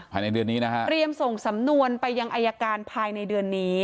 ภายในเดือนนี้นะฮะเตรียมส่งสำนวนไปยังอายการภายในเดือนนี้